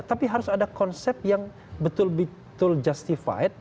tapi harus ada konsep yang betul betul justified